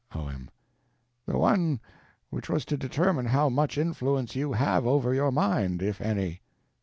O.M. The one which was to determine how much influence you have over your mind—if any.